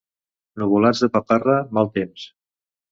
Nuvolats de paparra, mal temps.